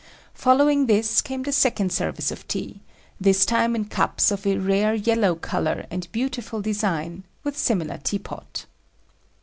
Following this came the second service of tea, this time in cups of a rare yellow color and beautiful design, with similar teapot.